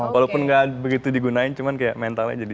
walaupun tidak begitu digunain cuma kayak mentalnya jadi